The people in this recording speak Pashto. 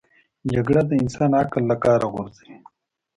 جګړه د انسان عقل له کاره غورځوي